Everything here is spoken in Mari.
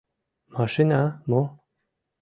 — Машина — мо?